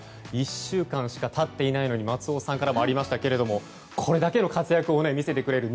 １週間しか経っていないのに松尾さんからもありましたがこれだけの活躍を見せてくれる。